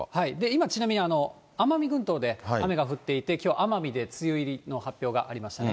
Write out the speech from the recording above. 今ちなみに奄美群島で雨が降っていて、きょう奄美で梅雨入りの発表がありました。